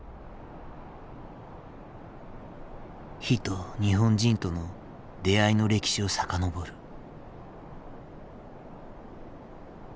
火と日本人との出会いの歴史を遡る。